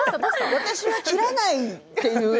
私は斬らないっていうね